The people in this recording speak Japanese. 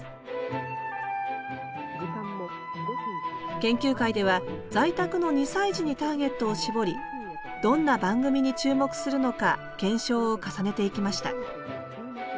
研究会では在宅の２歳児にターゲットを絞りどんな番組に注目するのか検証を重ねていきました